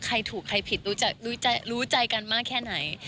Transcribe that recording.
ใครถูกใครผิดรู้ใจกันมากแค่ไหน